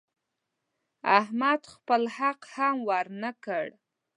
احمد خپل حق هم ونه ورکړ.